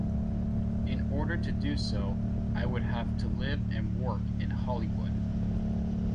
In order to do so I would have to live and work in Hollywood.